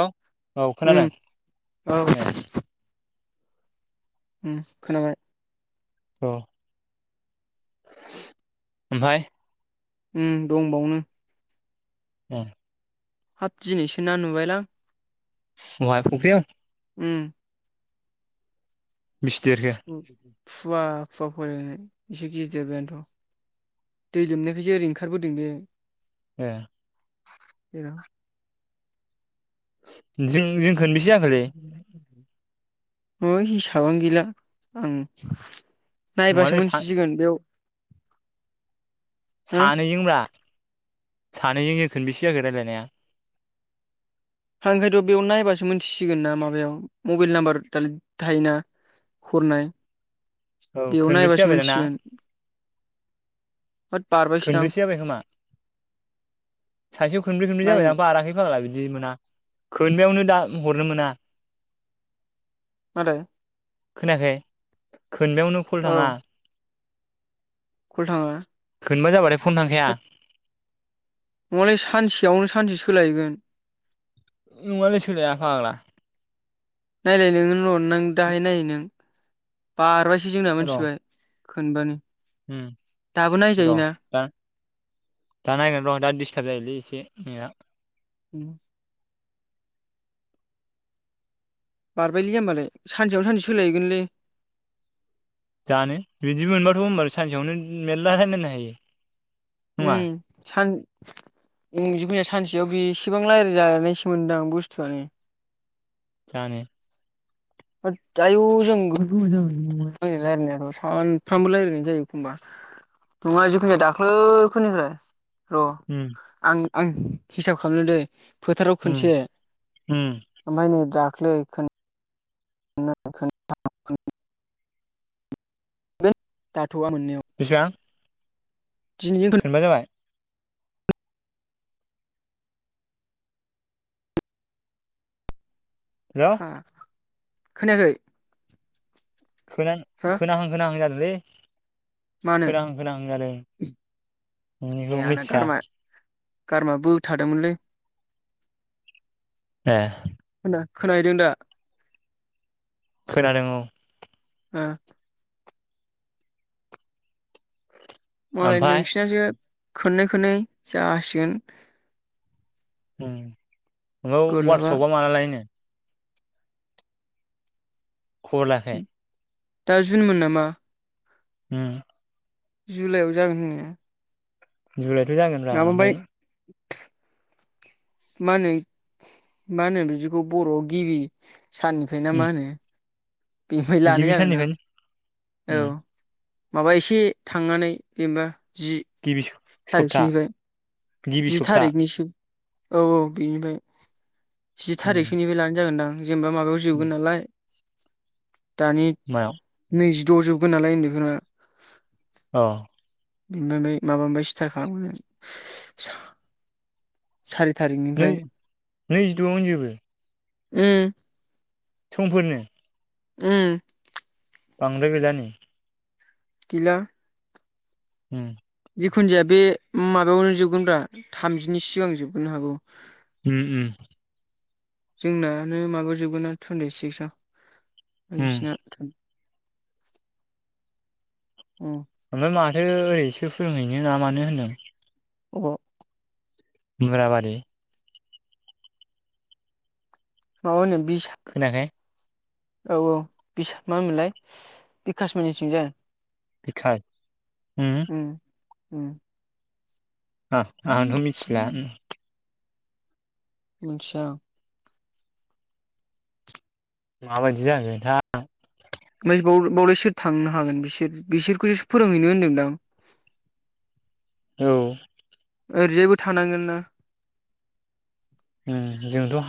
हलौ औ खोनादों उम औ ए ओम खोनाबाय औ ओमफाय ओम दं बावनो ए हाब दिनैसो ना नुबायलां बहाय फुख्रियाव ओम बिसे देरखो फुवा फुवा फरायनाय एसे गिद देरबायानोथ' दै लोमनायखायसो ओरै ओंखारबोदों बेयो ए औ ओइ हिसाबानो गैला आं नायबासो नङालै मिथिसिगोन बेयाव हो सानैजों ब्रा सानैजों जों खेनबेसे जाखो रायलायनाया हा ओंखायथ' बेयाव नायबासो मिथिसिगोन ना माबायाव मबाइल नाम्बार दालाय थायोना हरनाय औ बेयाव खोनब्रैसो नायबासो जाबाय दां ना मोनथिसिगोन होद बारबायसोदां खोनब्रैसो जाबाय खोमा सासेयाव खनब्रै खनब्रै जाबाय नायनो ना बाराखै फाग्ला बि बिदि मोना खोनबायावनो दा हरनो मोना मा होनदों खोनायाखै खोनबायावनो कल औ थाङा कल थाङा खोनबा जाबाथाय फन थांखाया नङालै सानसेयावनो सानसे सोलायोगोन नङालै सोलाया फाग्ला नायलाय नोङो र न दाहाय नायै नों बारबायसो जोंना र' मिथिबाय खोनबानि उम र' दा दा नायगोन र' दा दिसताब जायोलै एसे बे या उ बारबायलै होमबालाय सानसेयाव सानसे सोलायोगोनलै जानो बिदि मोनबाथ' होमबा सानसेयावनो मेरला रायलायनो हायो नङा ओम सान ओम जि सानसेयाव बेसेबां रायज्लायजानायसो मोन्दां बुस्थुआनो जानो आयु जों रायलायनायाथ' सानफ्रामबो रायज्लायनाय जायो एखमबा नङा जेखुनु दाख्लैनिफ्राय र' उम आं आं हिसाब खालामनो दै फोथाराव उम खोनसे उम ओमफाय नै दाख्लै खोन नै खोनथाम खोन है जाथ'वआ मोननायाव बेसेबां दिनैजों खोनबा जाबाय हेल' हा खोनायाखै? खोना हो खोनाहां खोनाहां जादोंलै। मानो खोनांहां खोनाहां जादों ए नोंनिखौ आंना मिथिया गारमा गारमा बोथा दोंमोनलै। ए खोना खोनाहैदों दा? खोनादों औ। ओ मालाय ओमफाय नोंसिनासो खननै खननै जासिगोन। उम बोरलाबा वाटशपा माला लायोनो? खबर लायाखै? दा जुनमोन नामा? उम जुलाइआव जागोन होनदों। जुलायथ' जागोनब्रा ओमफ्राय। मा होनो मा होनो बिदिखौ बर'आव गिबि साननिफ्राय ना उम मा होनो? बेनिफ्राय लानाय गिबि जागोनदां। साननिफ्रायनो औ उम माबा एसे थांनानै जेनेबा जि गिबि सप्ता थारिखसोनिफ्राय गिबि जि सप्ता थारिखनिसो औ औ बेनिफ्राय जि उम थारिखसोनिफ्राय लानाय जागोनदां। जेनेबा माबायाव जोबगोन उम नालाय दानि मायाव नैजिद' जोबगोन नालाय उन्दैफोरा औ दोनै माबानिफ्राय स्टर्त खालामो सारि नै थारिखनिफ्राय नैजिद'आवनो जोबो। उम समफोरनो उम बांगद्राय गौलानै गैला उम जिखुन जाया बे माबायावनो जोबगोनब्रा थामजिनि सिगां जोबगोनो हागौ उम उम जोंनानो माबायाव जोबगोन ना टुन्टि सिक्सआव। उम नोसिना उम ओमफ्राय माथो ओरैसो फोरोंहैनो ना मानो होनदों? अबाव? मुराबारि अनिम [unintelligible] खोनायाखै औ औ बिस मा होनोमोनलाय बिखासममोननि थिंजाय। बिखास उम उ उम आ आंथ' मिथिला उम मिनथिया आं माबायदि जागोनथाय ओमफ्राय बाव बावलाय सोर थांनो हागोन बिसोर बिसोरखौसो फोरोंहैनो होनदोंमोनदां। [unintelligible] ओरजायबो थानांगोन ना उभ जोंथ' [inaudible]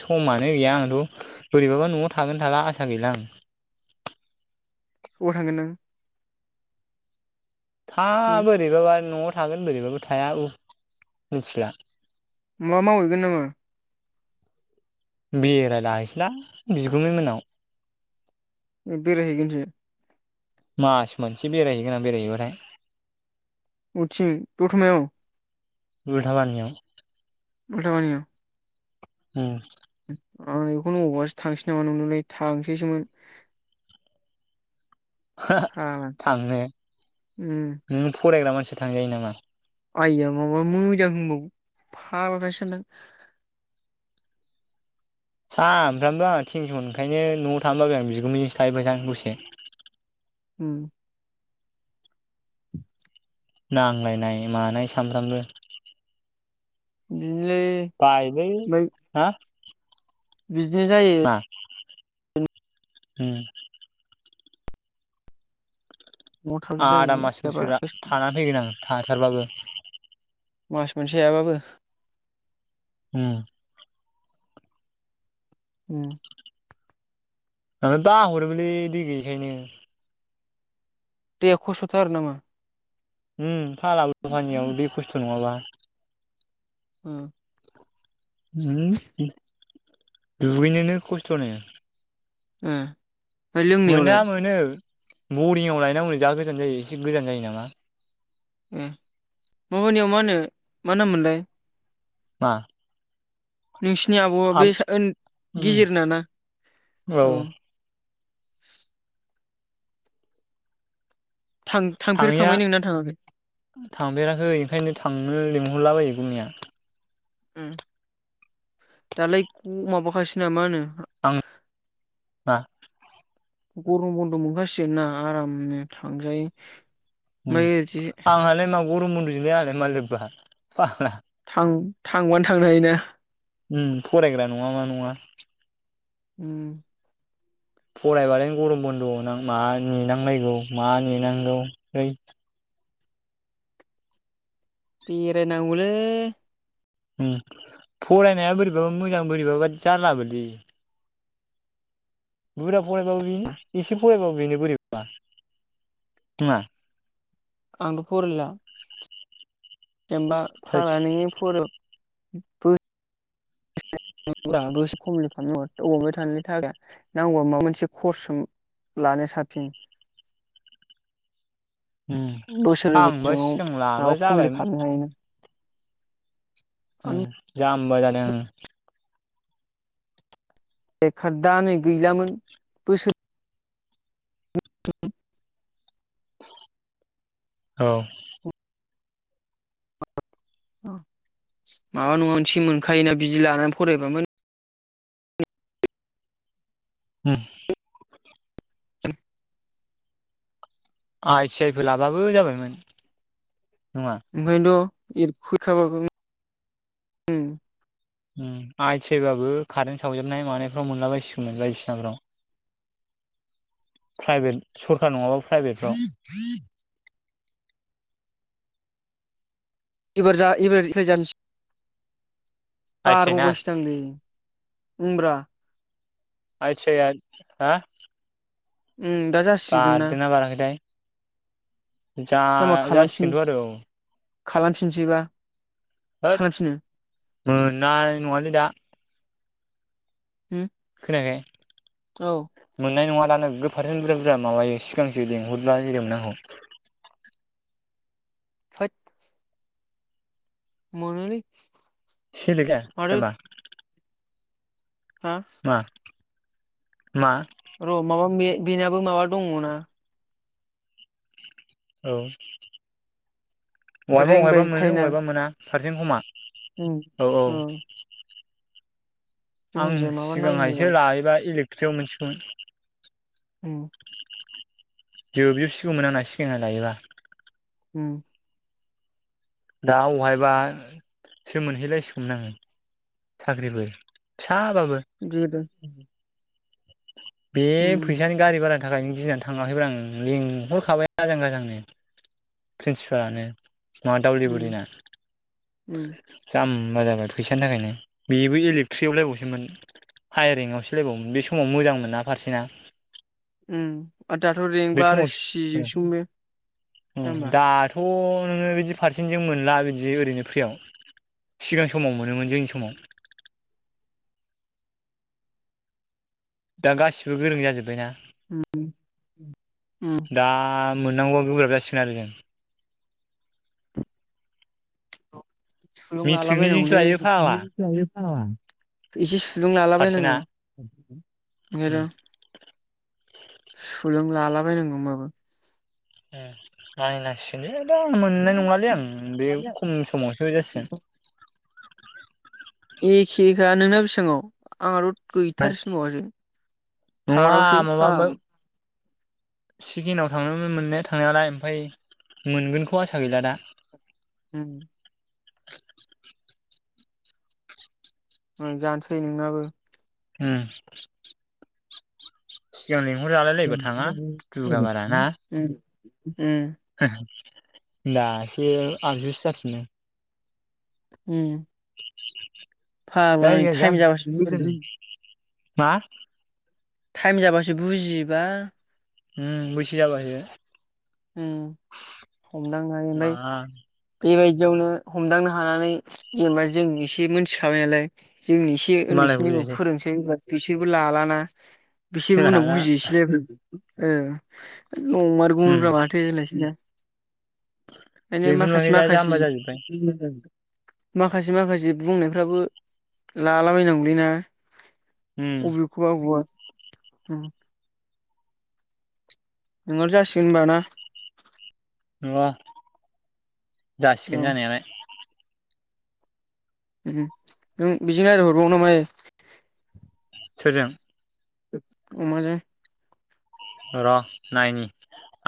समानो गैया आंथ' बोरैबाथ न'आव थागोन थाला आसा गैया बिलां हबाव थांगोन नों था बोरैबाबा न'आव थागोन बोरैबाबो थाया मिथिला मा मावहैगोन नाङो बेरायलाहैसैला बिगुमै मोननाव बेराय हैैगनोसो मास मोनसे बेरायहैगोन आं बेरायहैबाथाय उथिं दथमायाव उलथाबानियाव उलथाबानियाव उम आं बेखौनो अबावबासो थांसै नामा नंदोंलै थांसैसोमोन हा-हा फाग्ला थांनो उम नोङ फरायग्रा मानसिया थांजायो नामा आइआ माबा मोजां होनबावो फाग्फा सानदों सानफ्रामबो आं थिनस'न ओंखायनो न'आव थानो बाबाय आं बिगुमैजोंंसो थाहैफासै आं दसे [unintelligible] [inaudible] हम नांलायनाय मानाय सामफ्रामबो बिदिनोलै बायोलै ओमफ्राय हा- बिदिनो जायो मा उम न'आव थाबसो आदा जायो मास जाबा मोनसोर थानानै फैगोन आं थाथारबाबो मास मोनसे हायाबाबो उम उम आङो दा हरलै दै गैयिखायनो दैया खसुथार नामा उम फालाबो फानियाव दै खस्थ' नङाबा ओ हम दुगैनोनो खस्थ' नो उम मोनना मोनो बरिंआव लायनांगौनो जा गोजान जायो एसे गोजान जायो नामा उम माबनियाव मा होन मा नाम मोनलाय मा नोंसिनि आबौआ आब बे सा ओन उम गेजेर नाना औ थां थाङैया थांफेरखांबाय नोंना थाङाखै थांफेराखै ओंखायनो थांनो लिंहरलाबायो बिगुमैया उम दालाय माबाखायसै माहोनो आङ बा गम बन्द' मोनखाासिगोना आरामनो थांजायो ओम ओमफ्राय ओरैजे आंहालाय मा गरम बन्दजोलाय मा लोब्बा फाग्ला थां-थांबानो थांनो हायोना? नाङा उम फरायबालाय गरम बन्द'आव नां मा नेनांलानांगौ मा नेनांगौ है बेराय नांगौलै ओम फरायनाया बोरैबाबा मोजां बोरैबाबा जारलाबायदि बुरजा फरायबाबो बेनो एसे फरायबाबा बेनो बोरैबाबा नोङा? आंथ' फरायला [inaudible] जेनेबा थोद फारानिनि फरायाबाबो नखम खालामनांग अमे थानायनि थाखाय नांगौबा माबा मोनसे कर्स लानो साबसिन [inaudible] उम बोसोर नै आंबा गोजोङाव सिगां लाबा माबा कमप्लिट जाबायमोन खालामनो हायो नों? उम जाम्बा जादों। लक दा नै गैलामोन बोसोर [unintelligible] औ। माबा नङा सि मोनखायोना बिदि लानानै फरायबा मोन हम। [unintelligible] आइ टि आइ फोर लाबाबो जाबायमोन। नङा ओंखायनोथ' फैखाब [unintelligible] उम आइ टि आइ बाबो कारेन्ट सावजेननाय मानायफ्राव मोनला बायसिगौमोन बायदिसिनाफोराव। प्राइभेट सरखार नङाबाबो प्राइभेटफ्राव एबार जा एबारनिफ्रा जानोसै आइ थि आइ ना? बारबावबायसो दांलै उमब्रा आइ टि आइ आ हा उम दा जासिगोन बार ना दोना बाराखै थाय। जामा खालामफिन जा-जासिखोन्थ आरो खालामफिनसैबा होत खालामफिनो मोननाय नङालै दा उम औ खोनायाखै मोननाय नङा मानो गोफारसे बुरजा-बुरजा माबायो सिगांसो लेंंहरब्ला होदोंमोन आंखौ फइत मोनोलै सिलेगा माथो जाम्बा हा मा? मा र' माबा मे बेनाबो माबा दङ ना? औ रेंबाय बहायबा-बहायबा मोनो थायोना बहायबा मोना फारसेन्ट खमा उम औ। आं जिखुनु जाया माबा नायनो सिगांहायसो र' लायोबा इलेक्ट्रिकआव मोनसिगौमोन। उम। जोबजोबसिगौमोन आंना सिगांखनो लायोबा। उम। दा अहायबा सोमोनहैलायसिगौमोन आङो साख्रिबो फिसा गोदान बे फैसानि गारि भारानि थाखायनो गिनानै थाङाखैब्रा आङो लेंंहरखाबाय आजां-गाजांनो। प्रिन्सिपालानो मा उम दावलिगुरिना। उम। जामबा जाबाय फैसानि थाखायनो बेबो इलेकट्रिआवलाय अबावसो मोननो? फायारिंआव सोलायबावोमोन बे समाव मोजां मोनना फारसेना? उ आरो दाथ' रेंक बे समाव बारायसिगौसो बे। उम दाथ' नोङो बिदि फारसेन्टजों मोनला बिदि ओरैनो। फ्रियाव सिगां समाव मोनोमोन जोंनि समाव। दा गासिबो गोरों जाजोब्बाय ना। उम उम। मोननांगौबा गोब्राब जासिगोन आरो जों। सुलुं मेट्रिकनिजोंसो लायो फाग्ला लालाबायायनांगौलै [unintelligible] आ एसे सुलुं फारसेना लालाबायनांगौ। उम ओंखायथ' सुलुं लालाबायनांगौ होनबाबो। उम नायनांसिगोनलै दा मोननाय नङालै आं बे खम समावसो जासिगोन। एखेखा नोंना बिसाङाव आंनाथ' ओमफ्राय गैथारसिनबावासो नङा थार्द आवसो माबा फाग्ला। सिकिनाव थांनो मोननाया थांनायालाय ओमफ्राय मोनगोनखौ आसा गैला दा। होम। मोनजानोसै नोंनाबो। उम, सिगांनि [unintelligible] उम उम। दासो आगजुसो जाफिनो। उम। फाग्ला नै जायगाया जा टाइम जाबासो गोजान मा? टाइम जाबासो बुजियोबा। उम बैसो जाबासो। उम हमदांनो हायो मा ओमफाय बेबायदियावनो हमदांनो हानानै जेनेबा जों एसे मोनथिखाबाय नालाय जोंनि एसे मालायखौ ओन्दैसिनिखौ बुजायसै फोरोंसै बिसोरबो लालाना बिसोरबो उनाव हाला बुजिहैसैलाय आरो। ओ नंमारगौमोन उम बा माथो होनलायसै ना? ओंखायनो बेंथल माखासे मोखै दा माखासे जाम्बा जाजोब्बाय [unintelligible] माखासे माखासे बुंनायफ्राबो लालाबायनांगौलैना? उम अबिखौबा अबबा ओं। नोंनाव जासिगोन होनबा ना? नङा, औ जासिगोन जानायालाय। ओं, नों बिजों रायलायहरबावो ना मायो? सोरजों? अमा जों। र' नायनि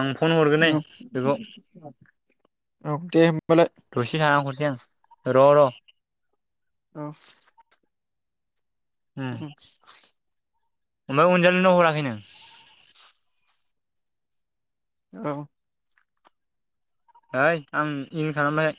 आं फन हरग्रोनाय औ बेखौ। औ दे होमबालाय दसे थाना हरनोसै आं र' र'। औ। उम। ओमफाय अनजालिनाव हराखै नों? औ। ओइ आं इन खालामबाय।